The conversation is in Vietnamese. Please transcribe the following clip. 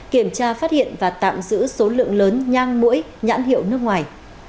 kiểm tra phát hiện và tạm giữ số lượng lớn nhang mũi nhãn hiệu nước ngoài